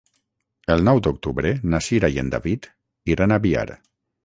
El nou d'octubre na Cira i en David iran a Biar.